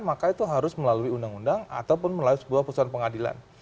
maka itu harus melalui undang undang ataupun melalui sebuah putusan pengadilan